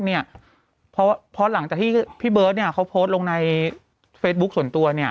เพราะหลังจากที่พี่เบิร์ตเขาโพสต์ลงในเฟซบุ๊คส่วนตัวเนี่ย